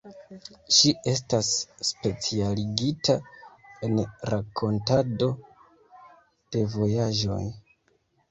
Ŝi estas specialigita en rakontado de vojaĝoj.